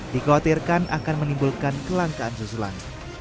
dikhawatirkan akan menimbulkan kelangkaan susulan